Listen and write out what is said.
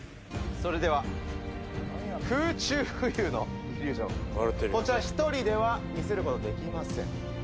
それでは、空中浮遊のイリュージョン、こちら１人では見せることはできません。